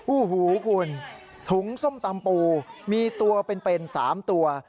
โอ้โหคุณถุงส้มตำปูมีตัวเป็น๓ตัว